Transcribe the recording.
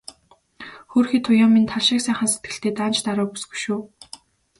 Хөөрхий Туяа минь тал шиг сайхан сэтгэлтэй, даанч даруу бүсгүй шүү.